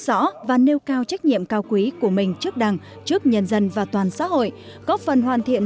rõ và nêu cao trách nhiệm cao quý của mình trước đảng trước nhân dân và toàn xã hội góp phần hoàn thiện